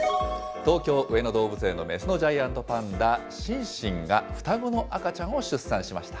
東京・上野動物園の雌のジャイアントパンダ、シンシンが双子の赤ちゃんを出産しました。